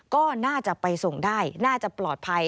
ก็น่าจะไปส่งได้น่าจะปลอดภัย